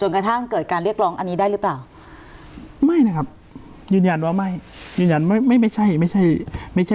คำยังง่ายเป็นฟังใครมาอะไรนะฮะได้ฟังใครมาใช่ไหม